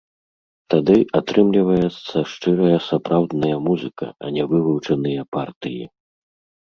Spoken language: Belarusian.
Тады атрымліваецца шчырая сапраўдная музыка, а не вывучаныя партыі.